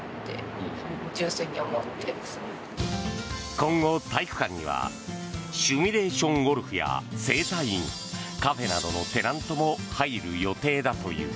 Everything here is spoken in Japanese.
今後、体育館にはシミュレーションゴルフや整体院カフェなどのテナントも入る予定だという。